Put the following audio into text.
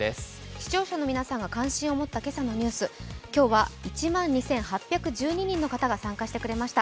視聴者の皆さんが関心を持った今朝のニュース、今日は１万２８１２人の方が参加してくれました。